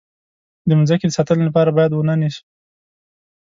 د مځکې د ساتنې لپاره باید ونه نیسو.